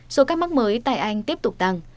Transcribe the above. số ca mắc mới tại anh tiếp tục tăng